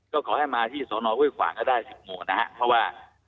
ก็ก้อให้มาที่ศฤศศก็ได้๑๐โมงนะฮะ